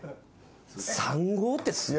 ３５ってすごいよ。